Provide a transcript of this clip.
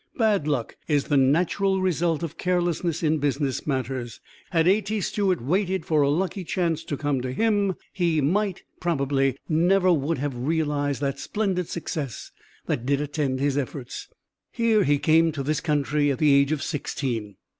Bad luck is the natural result of carelessness in business matters. Had A. T. Stewart waited for a lucky chance to come to him, he might probably never would have realized that splendid success that did attend his efforts. Here he came to this country at the age of sixteen.